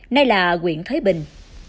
nơi là nguyện thế bình